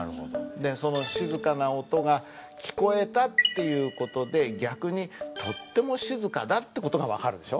でその静かな音が聞こえたっていう事で逆にとっても静かだって事が分かるでしょ。